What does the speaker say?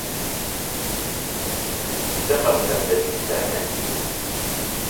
Zenbat jende bizi da hemen?